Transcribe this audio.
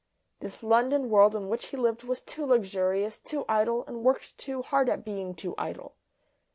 This London world in which he lived was too luxurious, too idle, and worked too hard at being too idle.